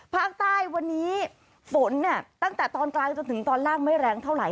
ภาคใต้วันนี้ฝนตั้งแต่ตอนกลางจนถึงตอนล่างไม่แรงเท่าไห